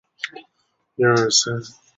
尖头燕鳐为飞鱼科燕鳐属的鱼类。